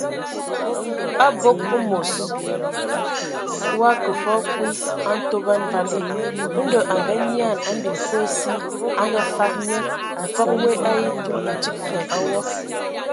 Abog amos o akə fɔɔ kwi a Ntoban vali, Ndɔ a nganyian a mbil Kosi a ngafag nye, mfəg woe a etul, ntig fa a wɔ.